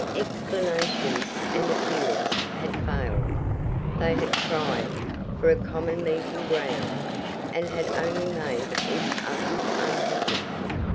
Explanations and appeals had failed; they had tried for a common meeting ground, and had only made each other unhappy.